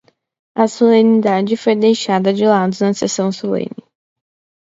A solenidade foi deixada de lado na sessão solene